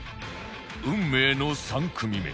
運命の３組目